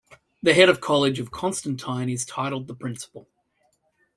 The head of college of Constantine is titled the Principal.